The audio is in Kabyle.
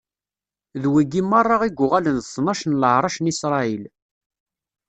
D wigi meṛṛa i yuɣalen d tnac n leɛṛac n Isṛayil.